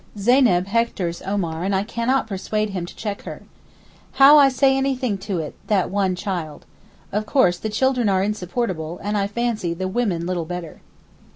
Zeyneb hectors Omar and I cannot persuade him to check her. 'How I say anything to it, that one child?' Of course, the children are insupportable, and, I fancy, the women little better.